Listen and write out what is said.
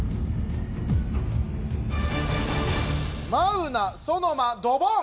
マウナソノマドボン！